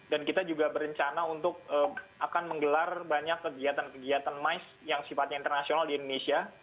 dan kita juga berencana untuk akan menggelar banyak kegiatan kegiatan mais yang sifatnya internasional di indonesia